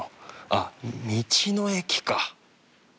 あっ道の駅か。